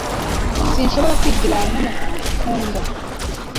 Sinshobora kwigira nkumukunda.